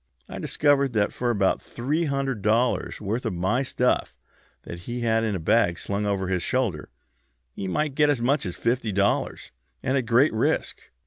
I discovered that for about three hundred dollars' worth of my stuff that he had in a bag slung over his shoulder he might get as much as fifty dollars, and at great risk.